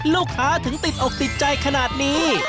ลูกค้าถึงติดอกติดใจขนาดนี้